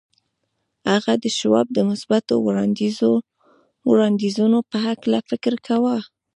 هغه د شواب د مثبتو وړاندیزونو په هکله فکر کاوه